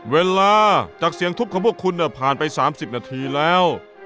เวลาจากเสียงทุบของพวกคุณผ่านไป๓๐นาทีแล้ว